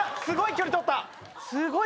すごい距離取った。